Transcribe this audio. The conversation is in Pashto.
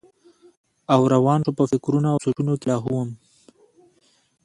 او روان شو پۀ فکرونو او سوچونو کښې لاهو وم